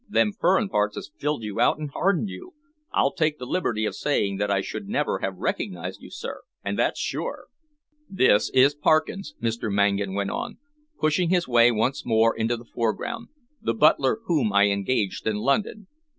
Them furrin parts has filled you out and hardened you. I'll take the liberty of saying that I should never have recognised you, sir, and that's sure." "This is Parkins," Mr. Mangan went on, pushing his way once more into the foreground, "the butler whom I engaged in London.